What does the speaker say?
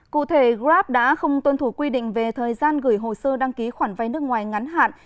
cụ thể grab đã không tuân thủ quy định về thời gian gửi hồ sơ đăng ký khoản vay nước ngoài ngắn hạn